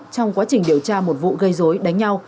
trong quá trình điều tra một vụ gây dối đánh nhau